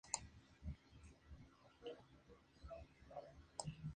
Si Hitler hubiera dedicado más tiempo y recursos para este proyecto, podría haber funcionado.